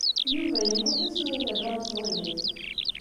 Yuba yemmut asmi ay nella meẓẓiyit.